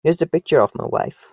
Here's the picture of my wife.